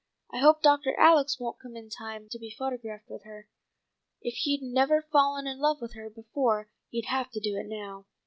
I hope Doctor Alex won't come in time to be photographed with her. If he'd never fallen in love with her before he'd have to do it now.